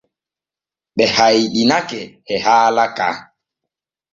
Ɓe hayɗinake e haala ka.